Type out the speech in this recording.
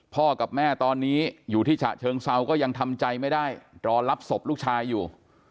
กับแม่ตอนนี้อยู่ที่ฉะเชิงเซาก็ยังทำใจไม่ได้รอรับศพลูกชายอยู่